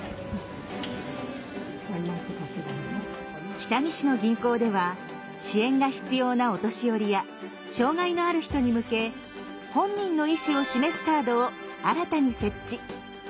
北見市の銀行では支援が必要なお年寄りや障害のある人に向け本人の意思を示すカードを新たに設置。